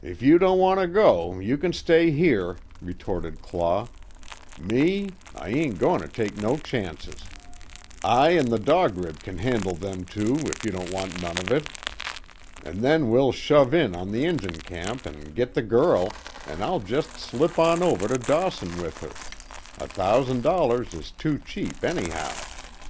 "If you don't want to go, you kin stay here," retorted Claw, "Me I ain't goin' to take no chances. I an' the Dog Rib kin handle them two, if you don't want none of it. An' then we'll shove on to the Injun camp an' git the girl, an' I'll jest slip on over to Dawson with her a thousan' dollars is too cheap, anyhow.